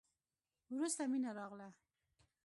وروسته مينه راغله.